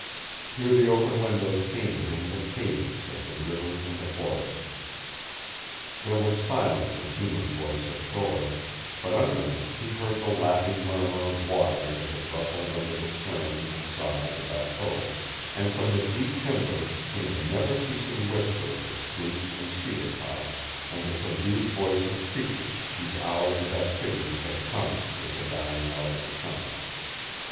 Through the open windows came to him the cadence of the river and the forests. There was silence of human voice ashore, but under him he heard the lapping murmur of water as it rustled under the stern and side of the bateau, and from the deep timber came the never ceasing whisper of the spruce and cedar tops, and the subdued voice of creatures whose hours of activity had come with the dying out of the sun.